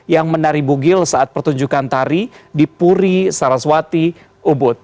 yang menari bugil saat pertunjukan tari di puri saraswati ubud